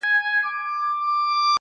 د تورو زلفو په هر تار راته خبري کوه~